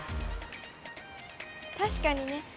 確かにね。